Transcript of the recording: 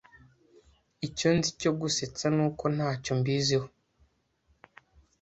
Icyo nzi cyo gusetsa nuko ntacyo mbiziho.